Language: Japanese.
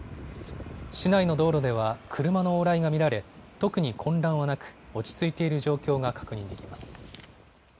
市内の道路では車の往来が見られ特に混乱はなく、落ち着いている状況が確認できます。